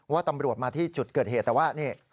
ว่าตำรวจมาที่จุดเกิดเหตุแต่ว่านี่